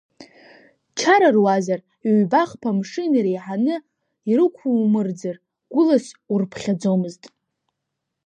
Чара руазар, ҩба-хԥа мшы инареиҳаны ирықәумырӡыр, гәылас урԥхьаӡомызт.